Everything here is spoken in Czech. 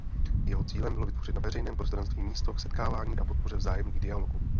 Jeho cílem bylo vytvořit na veřejném prostranství místo k setkávání a podpoře vzájemných dialogů.